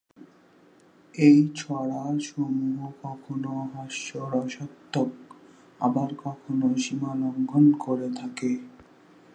এই ছড়া সমূহ কখনো হাস্যরসাত্মক, আবার কখনো সীমা লঙ্ঘন করে থাকে।